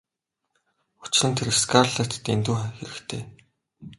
Учир нь тэр Скарлеттад дэндүү хэрэгтэй.